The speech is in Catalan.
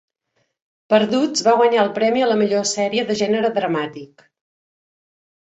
"Perduts" va guanyar el premi a la millor sèrie de gènere dramàtic.